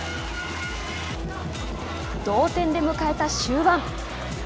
同点で迎えた終盤。